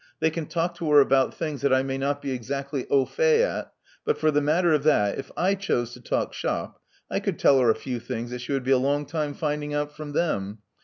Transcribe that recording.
They can talk to her about things that I may not be exactly au fait at; but, for the matter of that, if / chose to talk shop, I could tell her a few things that she would be a long time finding out from them.